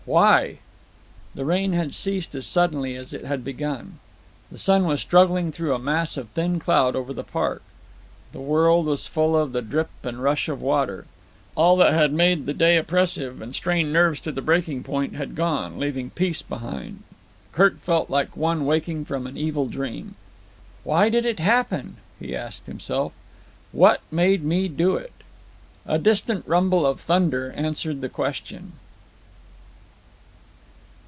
"Why?" The rain had ceased as suddenly as it had begun. The sun was struggling through a mass of thin cloud over the park. The world was full of the drip and rush of water. All that had made the day oppressive and strained nerves to breaking point had gone, leaving peace behind. Kirk felt like one waking from an evil dream. "Why did it happen?" he asked himself. "What made me do it?" A distant rumble of thunder answered the question.